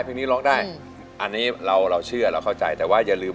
เพลงนี้ร้องได้อันนี้เราเราเชื่อเราเข้าใจแต่ว่าอย่าลืม